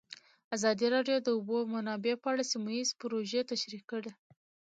ازادي راډیو د د اوبو منابع په اړه سیمه ییزې پروژې تشریح کړې.